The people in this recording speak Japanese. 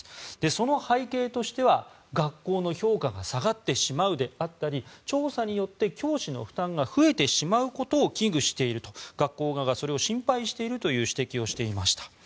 その背景としては学校の評価が下がってしまうであったり調査によって教師の負担が増えてしまうことを危惧していると学校側がそれを心配しているという指摘をしていました。